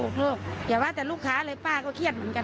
ลูกอย่าว่าแต่ลูกค้าเลยป้าก็เครียดเหมือนกัน